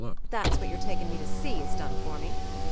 ] That's what your taking me to sea has done for me.